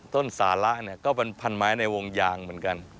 ต้นสาระก็เป็นพันธุ์ไม้ในวงยางเหมือนกัน